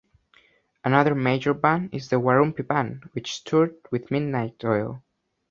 Another major band is the Warumpi Band, which toured with Midnight Oil.